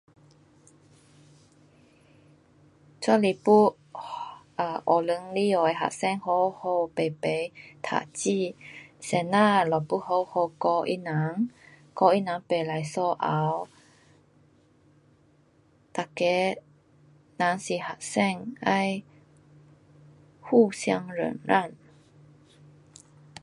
若是要学堂里外学生好好排排读书，先生就要好好教他人，较他人不可相吵，每个人是学生，要互相忍让。